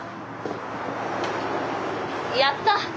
やった！